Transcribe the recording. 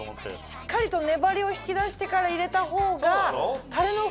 しっかりとねばりを引き出してから入れた方が。